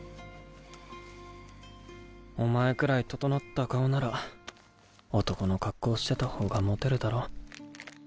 お前くらい整った顔なら男の格好してた方がモテるだろ。